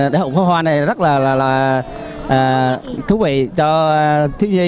đại học pháp hoa này rất là thú vị cho thiếu nhi